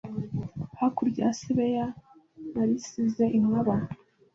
Hakurya ya Sebeya narisize inkaba